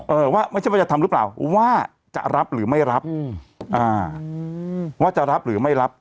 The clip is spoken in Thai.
เออว่าไม่ใช่ว่าจะทำหรือเปล่าว่าจะรับหรือไม่รับ